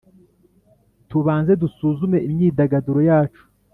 tubanze dusuzume imyidagaduro yacu